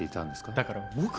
だから僕は